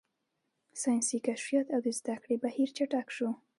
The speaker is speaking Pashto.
ساینسي کشفیات او د زده کړې بهیر چټک شو.